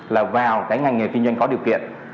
là vào cái ngành nghề kinh doanh có điều kiện